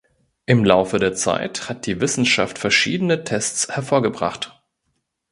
Im Laufe der Zeit hat die Wissenschaft verschiedene Tests hervorgebracht.